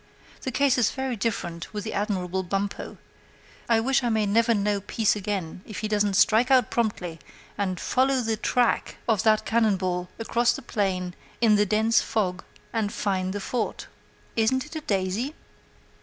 The case is very different with the admirable Bumppo. I wish I may never know peace again if he doesn't strike out promptly and follow the track of that cannon ball across the plain through the dense fog and find the fort. Isn't it a daisy?